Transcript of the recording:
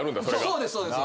そうですそうです。